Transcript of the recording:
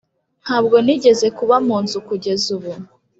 ntabwo nigeze kuba mu nzu kugeza ubu